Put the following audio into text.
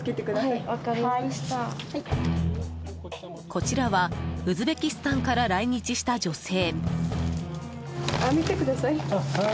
こちらはウズベキスタンから来日した女性。